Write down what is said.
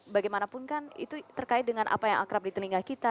bagaimanapun kan itu terkait dengan apa yang akrab di telinga kita